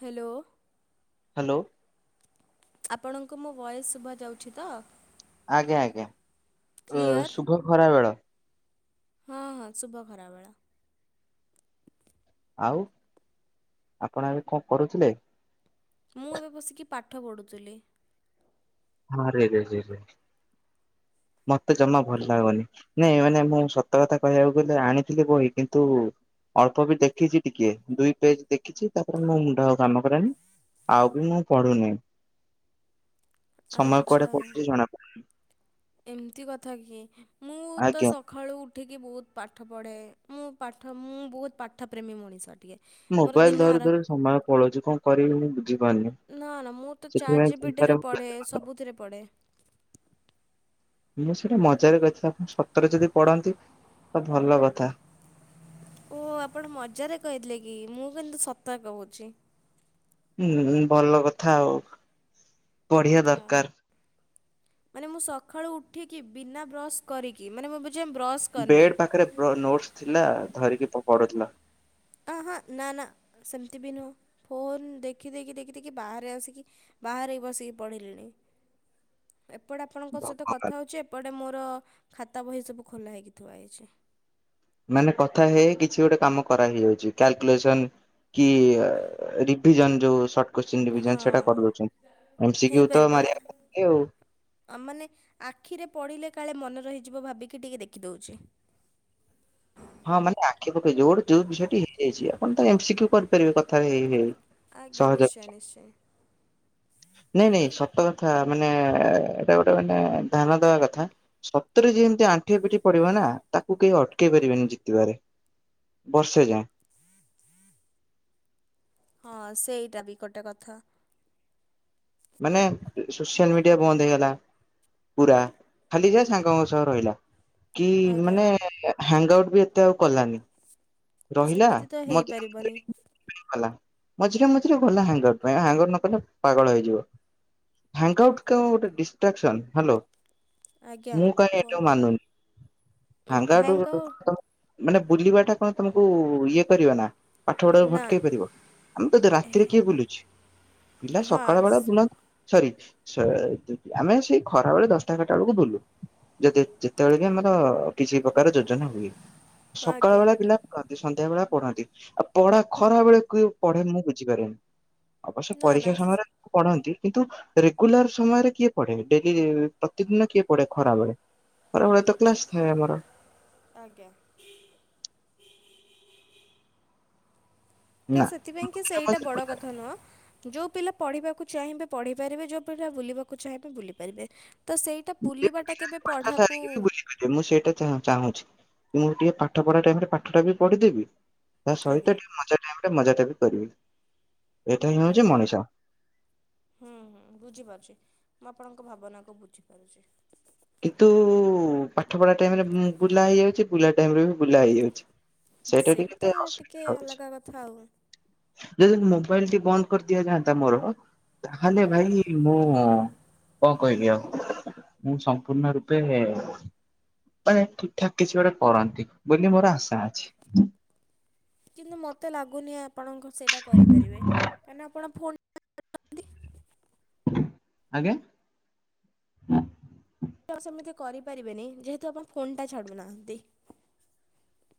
Hello. Hello. ଆପଣଙ୍କୁ ମୋ voice ଶୁଭା ଯାଉଛି ତ? ଆଜ୍ଞା ଆଜ୍ଞା ଓ କ୍ଲିଅର୍ ଶୁଭ ଖରାବେଳ ହଁ ହଁ ଶୁଭ ଖରାବେେଳ ଆଉ ଆପଣ ଏବେ କଣ କରୁଥିଲେ? ମୁଁ ଏବେ ବସିକି ପାଠ ପଢ଼ୁଥିଲି। ଆରେ ରେ ରେ ରେ ମତେ ଜମା ଭଲ୍ ଲାଗନି ନାଇଁ ମାନେ ମୁଁ ସତ କଥା କହିବାକୁ ଗଲେ ଆଣିଥିଲି ବହି କିନ୍ତୁ ଅଳ୍ପ ବି ଦେଖିଛି ଟିକେ ଦୁଇ ପେଜ୍ ଦେଖିଛି ତାପରେ ମୋ ମୁଣ୍ଡ ଆଉ କାମ କଲାନି ଆଉ ବି ମୁଁ ପଢ଼ୁନି ସମୟ ଆଚ୍ଛା କୁଆଡ଼େ ପଳଉଛି ଜଣାପଡ଼ୁନି। ଏମିତି କଥା କି ମୁଁ ତ ଆଜ୍ଞା ସଖାଳୁ ଉ ଉଠିକି ବହୁତ୍ ପାଠ ପଢ଼େ ମୁଁ ପାଠ ମୁଁ ବହୁତ୍ ପାଠ ପ୍ରେମୀ ମଣିଷ। ଟିକିଏ ମୋର ମୋବାଇଲ ଦିନ ଧରି ଆର ଧରି ସମୟ ପଳଉଛି କଣ କରିବି ମୁଁ ବୁ ଝିପାରୁନି ନା ନା ମୁଁ ତ ଚାଟ୍ ସେଥିପାଇଁ ଜିପିଟିରେ ଚିନ୍ତାରେ ପଢ଼େ ସବୁଥିରେ ପଢ଼େ [inaudible] ମୁଁ ସେଇଟା ମଜାରେ କହିଥିଲି ଆପଣ ସତରେ ଯଦି ପଢ଼ନ୍ତି ତ ଭଲ କଥା। ଓ ଆପଣ ମଜାରେ କହିଥିଲେ କି ମୁଁ କିନ୍ତୁ ସତ କହୁଛି। ଉଁହୁଁ ଭଲ କଥା ଆଉ ପଢ଼ିବା ଓହୋ, ଦରକାର୍। ମାନେ ମୁଁ ସଖାଳୁ ଉଠିକି ବିନା ବ୍ରସ୍ କରିକି ମାନେ ମୁଁ ବି ବେଡ଼୍ ପାଖରେ ପ ନୋଟ୍ସ୍ ଥିଲା ଧରିକି ପ ପଢ଼ୁଥିଲା। ଆଁ ହାଁ ନା ନା ସେମିତି ବି ନୁହଁ ଫୋନ୍ ଦେଖି ଦେଖି ଦେଖି ଦେଖି ବାହାରେ ଆସିକି ବାହାରେ ବସିକି ପଢ଼ିଲିଣି। [inaudible] ଏପଡ଼େ ଆପଣଙ୍କ ସହିତ ଭଗବାନ। କଥା ହଉଛି ଏପଡ଼େ ମୋର ଖାତା ବହି ସବୁ ଖୋଲା ହୋଇକି ଥୁଆ ହେଇଛି। ମାନେ କଥା ହେଇ କିଛି ଗୋଟେ କାମ କରା ହେଇଯାଉଛି କାଲ୍କୁଲେସନ୍ କି ଆ ରିଭିଜନ୍ ଯୋଉ ସଟ୍ କୋଶ୍ଚିନ୍ ଡିଭିଜନ୍ ହଁ ସେଟା କରିଦଉଛନ୍ତି। ହେଇପାରିବ ନା [unintelligible] ଆ ମାନେ ଆଖିରେ ପଡ଼ିଲେ କାଳେ ମନେ ରହିଯିବ ଭାବିକି ଟିକେ ଦେଖିଦଉଛି। ହଁ ମାନେ ଆଁଖି ପକେଇ ଜୋଡ଼୍ ଯୋଉ ଝିଅଟି ହେଇଯାଇଛି ଆପଣ୍ ତ ଏମ୍ସିକ୍ୟୁ କରିପାରିବେ କଥାହେଇଯାଇ ଆଜ୍ଞା ନିଶ୍ଚୟେ ନିଶ୍ଚୟେ [inaudible] ନେଇଁ ନେଇଁ ସତ କଥା ମାନେ ଏ ଏଟା ଗୋଟେ ମାନେ ଧ୍ୟାନ ଦବା କଥା ସତରେ ଯେମ୍ ଯିଏ ଆଣ୍ଠିଏ ପିଠି ପଡ଼ିବ ନା ତାକୁ କେହି ଅଟକେଇ ପାରିବେନି। ଜିତିବାରେ ବର୍ଷେ ଯାଏଁ ହଁ ସେଇଟା ବି କଟେ କଥା। ମାନେ ସୋସିଆଲ୍ ମିଡିଆ ବନ୍ଦ୍ ହେଇଗଲା। ପୁରା ଖାଲି ଯା ସାଙ୍ଗମ ସହ ରହିଲା। କି ଆଜ୍ଞା ମାନେ ହାଙ୍ଗ୍ ଆଉଟ୍ ବି ଏତେ ଆଉ କଲାନି। ରହିଲା ସେମିତି ତ ମତେ ହେଇପାରିବନି [unintelligible] କଲା। ମଝିରେ ମଝିରେ ଭଲ ହାଙ୍ଗର୍ ପାଇବ ହାଙ୍ଗର୍ ନକଲେ ପାଗଳ ହେଇଯିବ। [unintelligible] ଗୋଟେ ଡିଷ୍ଟାକସନ୍ ହାଲୋ ଆଜ୍ଞା ମୁଁ କାଇଁ ଏ କୁହନ୍ତୁ ମାନୁନି ହାଙ୍ଗା ହ୍ୟାଙ୍ଗ୍ ଟ ମାନେ ବୁଲିବାଟା କଣ ତମକୁ ଇଏ କରିବ ନା ପାଠ ପଢା ନା ଭଟକେଇ ପାରିବ ଆମେ ତ ରାତିରେ କିଏ ବୁଲୁଛି ପିଲା ସକାଳ ହଁ ବେଳ ବୁଲ ସରି ଆମେ ସେଇ ଖରା ବେଳେ ଦଶଟା ଖାରଟା ବେଳକୁ ବୁଲୁ ଯେେ ଯେତେବେଳେ ବି ଆମର କିଛି ପ୍ରକାର ଯୋଜନା ହୁଏ ସକାଳ ଆଜ୍ଞା ବଳେ ପିଲା ସନ୍ଧ୍ୟା ବେଳେ ପଢନ୍ତି ଆଉ ପଢା ଖରା ବେଳେ ପଢେ ମୁଁ ବୁଝିପାରେନି। ଅବଶ୍ୟ ନା ପରୀକ୍ଷା ନା ସମୟରେ ପଢନ୍ତି କିନ୍ତୁ ରେଗୁଲାର ସମୟରେ କିଏ ପଢେ ଡେଲି ପ୍ରତିଦିନ କିଏ ପଢେ ଖରାବେଳେ ଆରା ହଳେ ତ କ୍ଲାସ ଏ ଆମର ଆଜ୍ଞା। ତ ନା ସେଥିପାଇଁ କି ସେଇଟା ବଡ କଥା ନୁହଁ ଯୋଉ ପିଲା। ପଢିବାକୁ ଚାହିଁବେ ପଢି ପାରିବେ ଯୋଉଭଳିା ବୁଲିବାକୁ ଚାହିଁବେ ବୁଲି ପାରିବେ ତ ସେଇଟା ବୁଲିବାଟା କେବେ ରିକି ପଢ଼ାକୁ ବୁଝପାରିବେ ମୁଁ ସେଇଟା ଚାହୁଁଛି ମୁଁ ଟିକେ ପାଠ ପଢା ଟାଇମ ରେ ପାଠ ଟା ବି ପଢିଦେବି ତା ଆଜ୍ଞା ସହିତ ଟିକେ ମଜା ଟାଇମ ରେ ମଜା ସେଟା ବି କରିବି। ଏଇଟା ହିଁ ହଉଛି ଆଜ୍ଞା ମଣିଷ ହୁଁ ହୁଁ ବୁଝିପାରୁଛି। ମୁଁ ଆପଣଙ୍କ ଭାବନାକୁ ବୁଝିପାରୁଛି। କିନ୍ତୁ ପାଠ ପଢା ଟାଇମରେ ବୁଲା ହେଇଯାଉଛି ବୁଲା ଟାଇମରେ ବି ବୁଲା ହେଇଯାଉଛି। ସେଇଟା ଟିକେ ଟିକେ ଅସୁବିଧାଉଛି ଅଲଗା କଥା ଆଉ ଯଦ ମୁ ମୋବାଇଲ ଟି ବନ୍ଦ କରିଦିଆ ଯାଆନ୍ତା ମୋର ତାହେଲେ ହୁଁ ଭାଇ ମୁଁ ହ କହକି ଆଉ ମୁଁ ସମ୍ପୂର୍ଣ୍ଣ ରୂପେ ମାନେ ଠିକ ଠାକ କିଛି ଗୋଟେ କରନ୍ତି ବୋଲି ମୋର ଆଶା ଅଛି। କିନ୍ତୁ ମତେ ଲାଗୁନି ଆପଣଙ୍କ ସେଇଟା କରିପାରିବେ କାହିଁ ଆପଣ। ନ୍ତି ଆଗଞ ଉ ସେମିତି କରିପାରିବେନି ଯେହେତୁ ଆପଣ ଫୋନ୍ଟା ଛାଡୁନାହାନ୍ତି।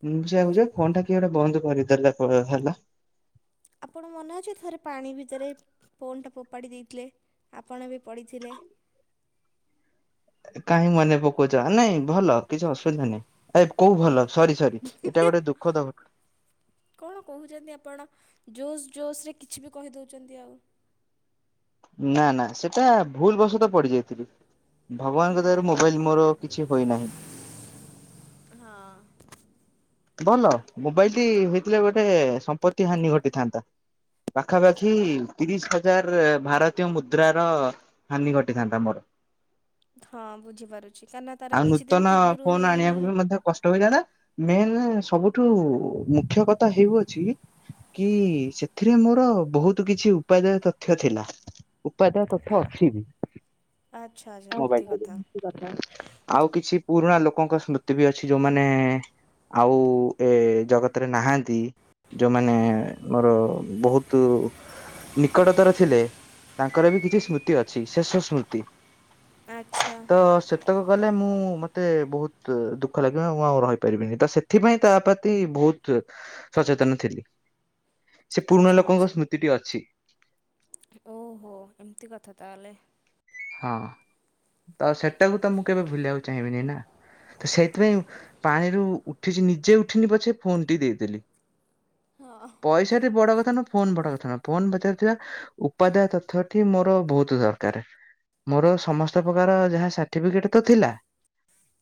ମୁଁ ଯକୁୁ ଯ ଫୋନ୍ ଟା କିଏ ଗୋଟେ ବନ୍ଦ କରିଦେଲା ହେଲା ଆପଣ ମନେ ଅଛି ଥରେ ପାଣି ଭିତରେ ଫୋନ୍ ଟା ପୋପାଡ଼ି ଦେଇଥିଲେ। ଆପଣ ବି ପଡ଼ିିଥିଲେ କାହିଁ ମନେ ପକଉଛ ନାଇଁ ଭଲ କିଛି ଅସୁବିଧା ନାଇଁ ଏ କୋଉ ଭଲ ସରି ସରି ଏଇଟା ଗୋଟେ ଦୁଃଖଦ ଘଟଣା। କଣ କହୁଛନ୍ତି ଆପଣ ଜୋସ୍ ଜୋସ୍ ରେ କିଛି ବି କହିଦଉଚନ୍ତି ଆଉ। ନା ନା ସେଟା ଭୁଲ ବଶତଃ ପଡି ଯାଇଥିଲି। ଭଗବାନଙ୍କ ହଁ। ଦ୍ଵାରା ମୋବାଇଲ୍ ମୋର କିଛି ହୋଇନାହିଁ। ଭଲ ମୋବାଇଲ୍ ଟି ହେଇଥିଲେ ଗୋଟେ ସମ୍ପତ୍ତି ହାନି ଘଟିଥାନ୍ତା। ପାଖାପାଖି ତିରିଶ ହଜାର ଭାରତୀୟ ମୁଦ୍ରାର ହାନି ଘଟିଥାନ୍ତା ମୋର। ହଁ ବୁଝିପାରୁଛି କାହିଁକିନା ତାର ଆଉ କିଛି ଦିନ ନୂତନ ପୂର୍ବରୁ ଫୋନ ହିଁ ହିଁ ଏ ସବୁଠୁ ମୁଖ୍ୟ କଥା ହେଉଅଛି କି ସେଥିରେ ମୋର ବହୁତ କିଛି ଉପାଦୟ ତଥ୍ୟ ଥିଲା। ଉପାଦୟ ତଥ୍ୟ ଅଛି ବି। ଆଚ୍ଛା ଆଚ୍ଛା ମୋ ପାଇଁ, ଏମିତି କଥା। ଆଉ କିଛି ପୁରୁଣା ଲୋ ଲୋକଙ୍କ ସ୍ମୃତି ବି ଅଛି। ଯୋଉମାନେ ଆଉ ଏ ଜଗତରେ ନାହାନ୍ତି। ଯୋଉମାନେ ମୋର ବହୁତ ନିକଟତର ଥିଲେ। ତାଙ୍କର ବି କିଛି ସ୍ମୃତି ଅଛି। ଶେଷ ସ୍ମୃତି। ଆଚ୍ଛା ତ ସେତକ ଗଲେ ମୁଁ ମୋତେ ବହୁତ ଦୁଃଖ ଲାଗିବ ମୁଁ ଆଉ ରହିପାରିବିନି। ତ ସେଥିପାଇଁ ତା ପ୍ରତି ବହୁତ ସଚେତନ ଥିଲି। ସେ ପୁରୁଣା ଆଚ୍ଛା ଆଚ୍ଛା ଲୋକଙ୍କ ସ୍ମୃତିଟି ଅଛି। ଓହୋ! ଏମିତି କଥା ତାହେଲେ। ହଁ ତ ସେଟାକୁ ତ ମୁଁ କେବେ ଭୁଲିବାକୁ ଚାହିଁବିନି ନା। ତ ସେଇଥିପାଇଁ ପାଣିରୁ ଉଠିଚି, ନିଜେ ଉଠିନି ପଛେ ଫୋନ୍ ଟି ଦେଇଦେଲି। ପଇସାଟି ବଡ କ ଥା ନ, ଫୋନ ବଡ କଥା ନ। ଫୋନ୍ ଭିତରେ ଥିବା ଉପାଦାୟ ତଥ୍ୟ ଟି ମୋର ବହୁତ ଦରକାର। ମୋର ସମସ୍ତ ପ୍ରକାର ଯାହା ସଟିଫିକେଟ୍ ତ ଥିଲା।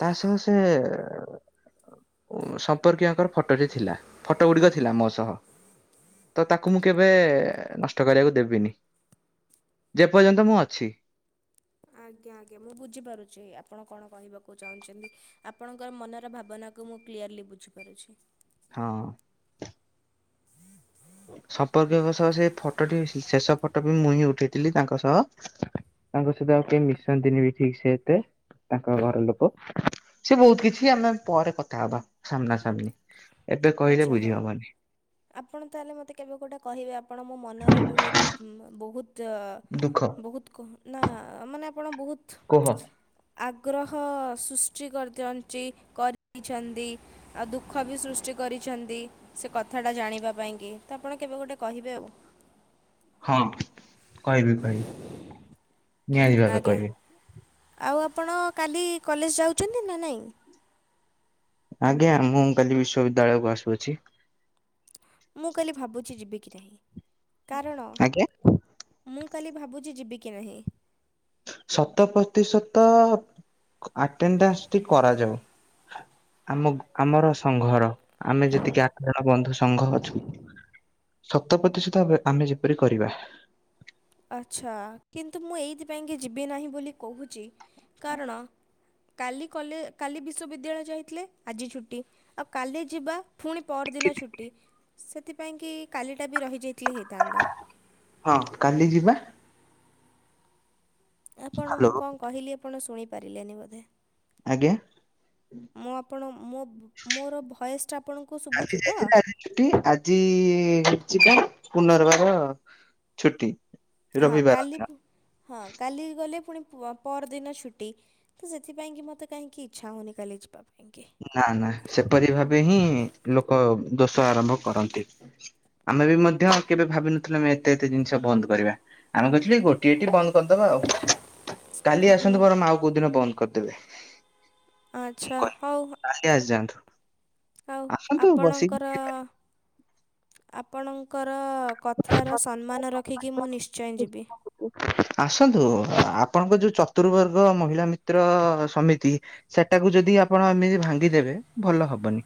ତା ସହ ସେ ଉ, ସମ୍ପର୍କୀୟଙ୍କର ଫଟୋ ବି ଥିଲା। ଫଟୋ ଗୁଡିକ ଥିଲା ମୋ ସହ। ତ ତାକୁ ମୁଁ କେବେ ନଷ୍ଟ କରିବାକୁ ଦେବିନି। ଯେପର୍ଯ୍ୟନ୍ତ ମୁଁ ଅଛି। ଆଜ୍ଞା ଆଜ୍ଞା ମୁଁ ବୁଝିପାରୁଚି ଆପଣ କଣ କହିବାକୁ ଚାହୁଁଚନ୍ତି। ଆପଣଙ୍କର ମନର ଭାବନା କୁ ମୁଁ କ୍ଲିୟରଲି ବୁଝି ପାରୁଛି। ହଁ। ସମ୍ପର୍କୀୟଙ୍କ ସହ ସେ ଫଟୋଟି ଶେ-ଶେଷ ଫଟୋ ବି ମୁଁହି ଉଠେଇଥିଲି ତାଙ୍କ ସହ। ତାଙ୍କ ସହିତ ଆଉ କେହି ମିଶନ୍ତିନି ବି ଠିକ ସେ ଏତେ। ତାଙ୍କ ଘର ଲୋକ ସେ ବହୁତ କିଛି ଆମେ ପରେ କଥା ହବା ସାମ୍ନା ସାମ୍ନି। ଏବେ କହିଲେ ଆଚ୍ଛା ବୁଝି ହଉ ହବନି। ଆପଣ ତାହେଲେ ମୋତେ କେବେ ଗୋଟେ କହିବେ ଆପଣ ମୋ ମନରେ ବହୁତ ଉଁ, ବହୁତ ତ ଦୁଃଖ ବହୁତ କ- ନା ମାନେ ଆପଣ ବହୁତ କୁହ ଆ ଆଗ୍ରହ ସୃଷ୍ଟି କରି କରଦିଅଞ୍ଚି, କରିଛନ୍ତି ଆଉ ଦୁଃଖ ବି ସୃଷ୍ଟି କରିଛନ୍ତି ସେ କଥାଟା ଜାଣିବା ପାଇଁ କି ତ ଆପଣ କେବେ ଗୋଟେ କହିବେ ଆଉ। ହଁ କହିବି କହିବି। ନିହାତି ଭାବେ ଆଜ୍ଞା କହିବି। ଆଉ ଆପଣ କାଲି କଲେଜ୍ ଯାଉଚନ୍ତି ନା ନାଇଁ? ଆଜ୍ଞା ମୁଁ କାଲି ବିଶ୍ବିଦ୍ୟାଳୟକୁ ଆସୁଅଛି। ମୁଁ କାଲି ଭାବୁଛି ଯିବି କି ନାହିଁ। କାରଣ ଆଜ୍ଞା। ମୁଁ କାଲି ଭାବୁଚି ଯିବି କି ନାହିଁ। ଶତ ପ୍ରତିଶତ ଆଟେଣ୍ଡଡେନ୍ସ ଟି କରାଯାଉ। ଆମ ଆମର ସଂଘର। ଆମେ ଯେତିକି ଆଠ ଜଣ ବନ୍ଧୁ ସଂଘ ଅଛୁ। ଶତ ପ୍ରତିଶତ ଭାବେ ଆମେ ଯେପରି କରିବା। ଆଛା କିନ୍ତୁ ମୁଁ ଏଇଥିପାଇଁ କି ଯିବି ନାହିଁ ବୋଲି କହୁଛି କାରଣ କାଲି କଲେ କାଲି ବିଶ୍ୱବିଦ୍ୟାଳୟ ଯାଇଥିଲେ ଆଜି ଛୁଟି ଆଉ କାଲି ଯିବା ପୁଣି ପରଦିନ ଛୁଟି ସେଥିପାଇଁକି କାଲିଟା ବି ରହିଯାଇ [inaudible] ହଁ କାଲି ଯିବା ଆପଣ ହ୍ୟାଲୋ ମୁଁ କଣ କହିଲି ଆପଣ ଶୁଣି ପାରିଲେନି ବୋଧେ ଆଜ୍ଞା। ମୁଁ ଆପଣ ମୋ ମୋର ଭଏସ୍ କାଲି ଯାଇଥିଲେ ଆଜି ଛୁଟି ଆଜି [unintelligible] ପୁନର୍ବାର ଛୁଟି। ହଁ ରବିବାର କାଲି ଦିନ ହଁ କାଲି ଗଲେ ପୁଣି ପ ପରଦିନ ଛୁଟି ତ ସେଥିପାଇଁକି ମୋତେ କାହିଁକି ଇଚ୍ଛା ହେଉନି କାଲି ଯିବା କୁ ନା ନା ସେପରି ଭାବେ ହିଁ ଲୋକ ଦୋଷ ଆରମ୍ଭ କରନ୍ତି। ଆମେ ବି ମଧ୍ୟ କେବେ ଭାବିିନଥିଲୁ ଆମେ ଏତେ ଏତେ ଜିନିଷ ବନ୍ଦ କରିବା ଆମେ କହିଥିଲୁ ଗୋଟିଏ ଟି ବନ୍ଦ କରିଦ ଆଉ କାଲି ଆସନ୍ତୁ ବରମ ଆଉ କୋଉ ଦିନ ବନ୍ଦ କରିଦେବେ। ଆଛା ହଉ। କାଲି ଆସିଯାଆନ୍ତୁ। ଆଉ ଆସନ୍ତୁ ଆପଣଙ୍କର ବସିକି ଆପଣଙ୍କ [unintelligible] କଥାର ସମ୍ମାନ ରଖିକି ମୁ ନିଶ୍ଚୟ ଯିବି। ଆସନ୍ତୁ ଆପଣଙ୍କ ଯୋଉ ଚତୁବର୍ଗ ମହିଳା ମିତ୍ର ସମିତି ସେଟାକୁ ଯଦି ଆପଣ ଏମିତି ଭାଙ୍ଗିଦେବେ ଭଲ ହବନି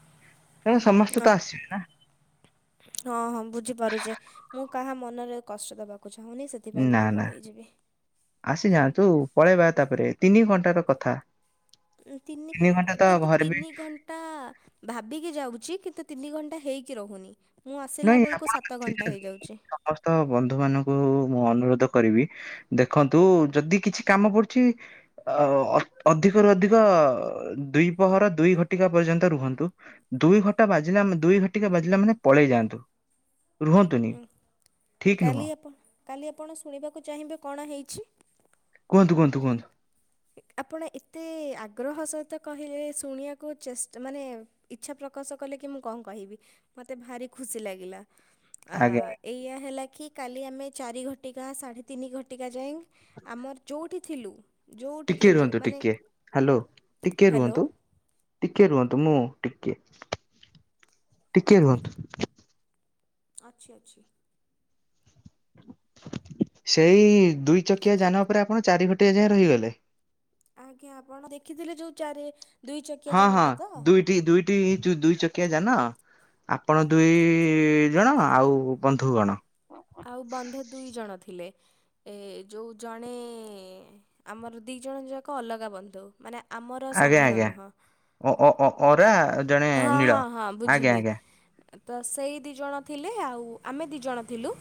କାରଣ ସମସ୍ତେ ତ ଅବ୍ ଆସିବେ ହଁ ହଁ ବୁଝିପାରୁଛି ମୁଁ କାହା ମନରେ କଷ୍ଟ ଦବା ନା ନା ଆସିଯାଆନ୍ତୁ ପଳେଇବା ତାପରେ ତିନି ଘଣ୍ଟାର କଥା ଉଁ ତିନି ଘଣ୍ଟା ତ କିନ୍ତୁ ଘରେ ବି ତିନି ଘଣ୍ଟା ଭାବିକି ଯାଉଛି କିନ୍ତୁ ତିନି ଘଣ୍ଟା ହେଇକି ରହୁନି। ମୁଁ ଆସିଲା ନାଇଁ ବେଳକୁ ଆପଣ ସାତ ଘଣ୍ଟା [unintelligible] ହେଇଯାଉଛି ସମସ୍ତ ବନ୍ଧୁ ମାନଙ୍କୁ ମୁଁ ଅନୁରୋଧ କରିବି, ଦେଖନ୍ତୁ ଯଦି କିଛି କାମ ପଡୁଛି ଅ ଅଧିକରୁ ଅଧିକ ଅ ଦୁଇ ପହର ଦୁଇ ଘଟିକା ପର୍ଯ୍ୟନ୍ତ ରୁହନ୍ତୁ। ଦୁଇ ଘଟା ବାଜିଲା ଦୁଇ ଘଟିକା ବାଜିଲା ମାନେ ପଳେଇ ଯାଆନ୍ତୁ ରୁହନ୍ତୁନି ଠିକ କାଲି ନୁହଁ। ଆପଣ କାଲି ଆପଣ ଶୁଣିବାକୁ ଚାହିଁବେ କଣ ହେଇଛି। କୁହନ୍ତୁ କୁହନ୍ତୁ କୁହନ୍ତୁ। ଆପଣ ଏତେ ଆଗ୍ରହ ସହିତ କହିଲେ ଶୁଣିବାକୁ ଚେଷ୍ଟ ମାନେ ଇଚ୍ଛା ପ୍ରକାଶ କଲେ କି ମୁଁ କଣ କହିବି ମତେ ଭାରି ଖୁସି ଲାଗିଲା। ଆ ଆଜ୍ଞା ଏଇଆ ହେଲା କି କାଲି ଆମେ ଚାରି ଘଟିକା ସାଢ଼େ ତିନି ଘଟିକା ଯାଏଁ ଆମର ଯୋଉଠି ଥିଲୁ ଯୋଉଠି ଟିକେ ଥିଲୁ ରୁହନ୍ତୁ, ମାନେ ଟିକେ ହ୍ୟାଲୋ ଟିକେ ହ୍ୟାଲୋ। ରୁହନ୍ତୁ ଟିକେ ରୁହନ୍ ତ ମୁଁ ଟିକେ ଟିକେ ରୁହନ୍ତୁ ଅଛି ଅଛି। ସେଇ ଦୁଇ ଚକିଆ ଯାନ ଉପରେ ଆପଣ ଚାରି ଘଟିକା ଯାଏ ରହିଗଲେ। ଆଜ୍ଞା ଆପଣ ଦେଖିଥିଲେ ଯୋଉ ଚାରି ଦୁଇ ଚକିଆ ହଁ ହଁ ଯାନଟା ତ? ଦୁଇଟି ଦୁଇଟି ଦୁଇ ଚ କିଆ ଯାନ, ଆପଣ ଦୁଇ ଜଣ ଆଉ ବନ୍ଧୁଗଣ। ଆଉ ବନ୍ଧୁ ଦୁଇ ଜଣ ଥିଲେ, ଏ ଯୋଉ ଜଣେ ଆମର ଦି ଜଣ ଯାକ ଅଲଗା ବନ୍ଧୁ ମାନେ ଆମର ଆଜ୍ଞା ସଂଘର ଆଜ୍ଞା! ନୁହଁ। ଅ ଅ ଅରା ଜଣେ ହଁ ନୀଳ ହଁ ହଁ ଆଜ୍ଞା ବୁଝିଲି। ଆଜ୍ଞା। ତ ସେଇ ଦି ଜଣ ଥିଲେ ଆଉ ଆମେ ଦି ଜଣ ଥିଲୁ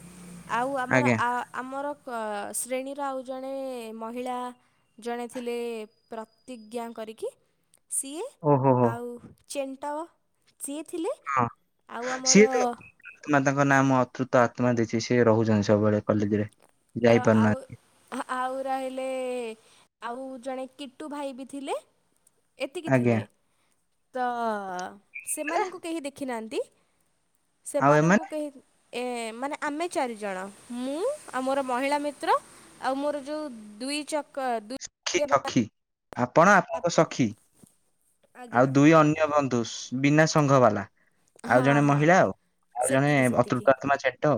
ଆଉ ଆମର ଆଜ୍ଞା ଆ ଆମର ଅ ଶ୍ରେଣୀର ଆଉ ଜଣେ ମହିଳା ଜଣେ ଥିଲେ। ପ୍ରତିଜ୍ଞା କ କି ସିଏ ଓହୋ ହୋ ଆଉ ଚେଣ୍ଟ ସିଏ ଥିଲେ ଆଉ ଆମର ମାନେ ତାଙ୍କ ନାଁ ମୁଁ ଅତୃତ ଆତ୍ମା ଦେଇଛି। ସେ ରହୁଛନ୍ତି ସବୁବେଳେ କଲେଜରେ। ତ ଆଉ ଯାଇପାରୁନାହାନ୍ତି ଆଉ ରହିଲେ ଆଉ ଜଣେ କିଟୁ ଭାଇ ବି ଥିଲେ। ଏତିକି ଥିଲେ ଆଜ୍ଞା ତ ସେମାନଙ୍କୁ କେହି ଦେଖିନାହାନ୍ତି। ଆଉ ଏମାନେ ସେମାନଙ୍କୁ କେହି ଏ ମାନେ ଆମେ ଚାରି ଜଣ ମୁଁ ଆମର ମହିଳା ମିତ୍ର ଆଉ ମୋର ଯୋଉ ଦୁଇ ଚକ ଦୁ ସଖୀ [unintelligible] ସଖୀ ଆପଣ ଆପଣଙ୍କ ସଖୀ, ଆଉ ଆଜ୍ଞା। ଦୁଇ ଅନ୍ୟ ବନ୍ଧୁ ବିନା ସଂଙ୍ଘ ବାଲା। ଆଉ ହଁ ଜଣେ ହଁ ମହିଳା ଆଉ ଆଉ ଜଣେ ଅତୃପ୍ତ ଆତ୍ମା ଚେଟ।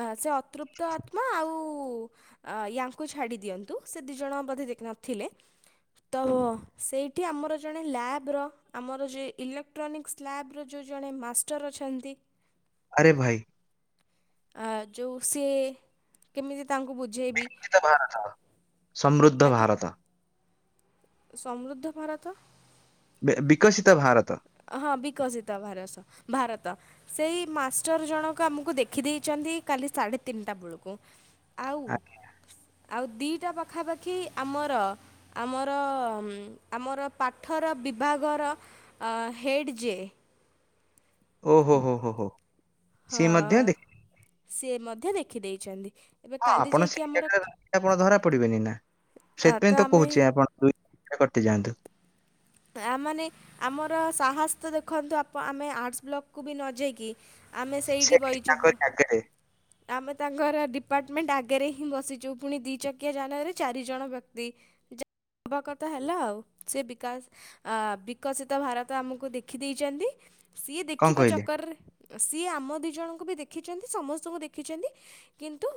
ଆ ସେ ଅତୃପ୍ତ ଆତ୍ମା ଆଉ ଅ ୟାଙ୍କୁ ଛାଡି ଦିଅନ୍ତୁ। ସେ ଦି ଜଣ ବୋଧେ ଦେଖ ନଥିଲେ। ତ ସେଇଠି ଆମର ଜଣେ ଲ୍ୟାବ୍ ର ଆମର ଯେ ଇଲେକ୍ଟ୍ରୋନିକ୍ସ ଲ୍ୟବ୍ ର ଯେଉଁ ଜଣେ ମାଷ୍ଟର ଅଛନ୍ତି। ଆରେ ଭାଇ। ଆ ଯୋଉ ସିଏ କେମିତି ତାଙ୍କୁ ବୁଝେଇବି ବିକଶିତ ଭାରତ ସମୃଦ୍ଧ ଆଜ୍ଞା ଭାରତ। ସମୃଦ୍ଧ ଭାରତ। ବିିକଶିତ ଭାରତ। ହଁ ବିକଶିତ ଭାର ଭାରତ! ସେଇ ମାଷ୍ଟର ଜଣକ ଆମକୁ ଦେଖିଦେଇଚ ନ୍ତି, କାଲି ସାଢ଼େ ତିନିାଟା ବେଳକୁ ଆଉ ଆ- ଆଉ ଦିଇଟା ପାଖାପାଖି! ଆମର ଆମର ଆମର ପାଠର ବିଭାଗ ର ହେଡ଼ ଯିଏ। ଓହୋ ହୋ ହୋ ହୋ ସିଏ ମଧ୍ୟ ହଁ ଦେଖ ସିଏ ମଧ୍ୟ ଦେଖିଦେଇଛନ୍ତି। ଏବେ ହଁ କାଲି ଆପଣ ଯାଇକି ସେଇ ଆମର ଜାଗାରେ ଆପଣ ଧରା ପଡିବେନି ନା ସେଥିପାଇଁ ତ କହୁଛି ଆପଣ କଟି ଯାଆନ୍ତୁ। ଆ ମାନେ ଆମର ସାହସ ତ ଦେଖନ୍ତୁ ଆପ ଆମେ ଆର୍ଟସ୍ ବ୍ଲକକୁ ବି ନ ଯାଇକି ଆମେ ସେ ସେଇଠି ବଇଛୁୁ। ତାଙ୍କରି ଆଗରେ ଆମେ ତାଙ୍କର ଡିପାର୍ଟମେଣ୍ଟ ଆଗରେ ହିଁ ବସିଛୁ ପୁଣି ଦି ଚକିଆ ଯାନରେ ଚାରି ଜଣ ବ୍ୟକ୍ତି। ଯା ନବକତ ହେଲା ଆଉ ସେ ବିକା ବିକଶିତ ଭାରତ ଆମକୁ ଦେଖିଦେଇଛନ୍ତି। ସିଏ କଣ ଦେଖିବା କହିଲେ ଚକରରେ ସିଏ ଆମ ଦି ଜଣଙ୍କୁ ବି ଦେଖିଛନ୍ତି ସମସ୍ତଙ୍କୁ ଦେଖି ରଖିଛନ୍ତି କିନ୍ତୁ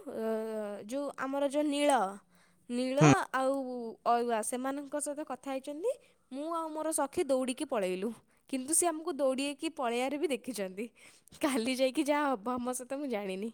ଯେଉଁ ଆମର ଯେଉଁ ନୀଳ ନିଳ ହୁଁ। ଆଉ ଅଆ ସେମାନଙ୍କ ସହିତ କଥା ହେଇଛନ୍ତି ମୁଁ ଆଉ ମୋର ସଖୀ ଦୌଡିକି ପଳେଇଲୁ କିନ୍ତୁ ସେ ଆମ ଆମକୁ ଦୌଡ଼କି ପଳେଇବାରେ ବି ଦେଖିଛନ୍ତି କାଲି ଯାଇକି ଯାହାହ ହେବ ଆମ ସହିତ ମୁଁ ଜାଣିନି।